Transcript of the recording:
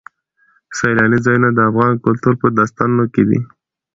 سیلاني ځایونه د افغان کلتور په داستانونو کې دي.